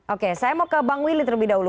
oke saya mau ke bang willy terlebih dahulu